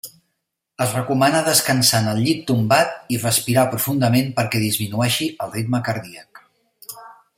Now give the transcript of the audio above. Es recomana descansar en el llit tombat i respirar profundament perquè disminueixi el ritme cardíac.